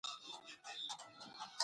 که پوهه وي نو سوله راځي.